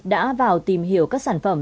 đã vào tìm hiểu các sản phẩm